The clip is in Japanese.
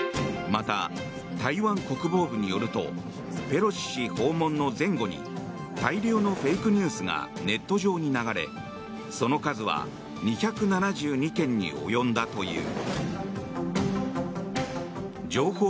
また、台湾国防部によるとペロシ氏訪問の前後に大量のフェイクニュースがネット上に流れその数は２７２件に及んだという。